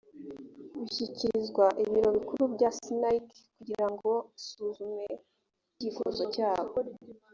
bishyikirizwa ibiro bikuru bya snic kugira ngo isuzume icyifuzo cyabo